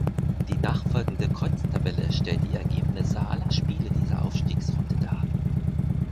Die nachfolgende Kreuztabelle stellt die Ergebnisse aller Spiele dieser Aufstiegsrunde dar.